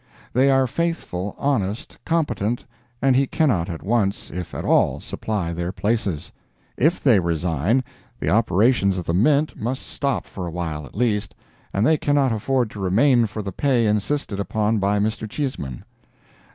They are faithful, honest, competent, and he cannot at once, if at all, supply their places. If they resign, the operations of the Mint must stop for a while, at least, and they cannot afford to remain for the pay insisted upon by Mr. Cheesman.